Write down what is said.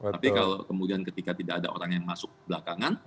tapi kalau kemudian ketika tidak ada orang yang masuk belakangan